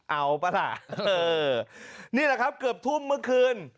เอาป่ะล่ะเออนี่แหละครับเกือบทุ่มเมื่อคืน